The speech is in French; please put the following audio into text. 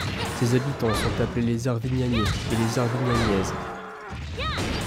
Ses habitants sont appelés les Arvignanais et les Arvignanaises.